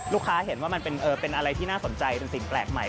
เห็นว่ามันเป็นอะไรที่น่าสนใจเป็นสิ่งแปลกใหม่